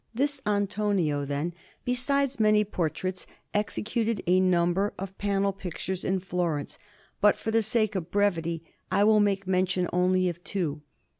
This Antonio, then, besides many portraits, executed a number of panel pictures in Florence; but for the sake of brevity I will make mention only of two.